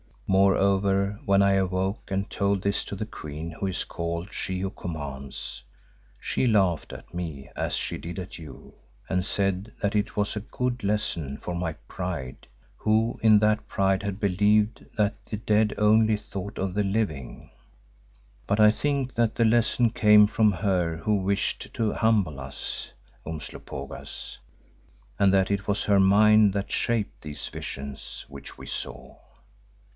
Moreover when I awoke and told this to the queen who is called She who commands, she laughed at me as she did at you, and said that it was a good lesson for my pride who in that pride had believed that the dead only thought of the living. But I think that the lesson came from her who wished to humble us, Umslopogaas, and that it was her mind that shaped these visions which we saw."